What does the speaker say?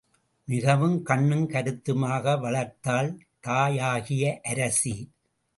மிகவும் கண்ணும் கருத்துமாக வளர்த்தாள் தாயாகிய அரசி.